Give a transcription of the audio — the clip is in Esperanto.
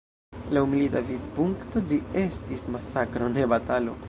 Laŭ milita vidpunkto, ĝi estis masakro, ne batalo.